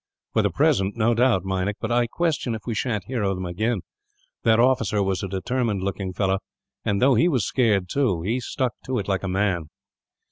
"For the present, no doubt, Meinik; but I question if we sha'n't hear of them, again. That officer was a determined looking fellow and, though he was scared, too, he stuck to it like a man."